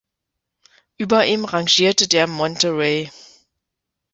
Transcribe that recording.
Über ihm rangierte der Monterey.